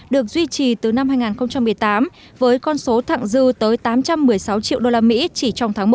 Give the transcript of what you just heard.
được duy trì từ năm hai nghìn một mươi tám với con số thẳng dư tới tám trăm một mươi sáu triệu đô la mỹ chỉ trong tháng một